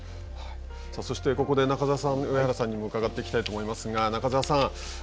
そして、ここで中澤さん上原さんにも伺っていきたいと思いますが中澤さん。